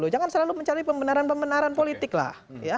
jangan selalu mencari pembenaran pembenaran politik lah